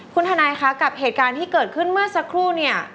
คุณทนายคะกับเหตุการณ์ที่เกิดขึ้นเมื่อสักครู่เนี่ย